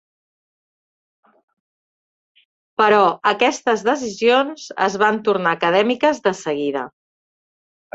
Però aquestes decisions es van tornar acadèmiques de seguida.